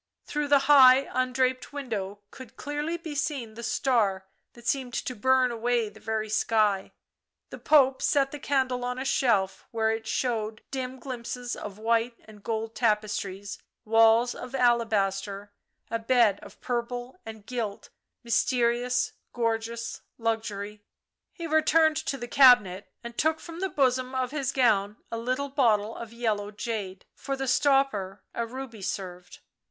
Through the high, undraped window could clearly be seen the star that seemed to burn away the very sky. The Pope set the candle on a shelf where it showed dim glimpses of white and gold tapestries, walls of alabaster, a bed of purple and gilt, mysterious, gorgeous luxury. ... He returned to the cabinet and took from the bosom of his gown a little bottle of yellow jade; for the stopper a ruby served.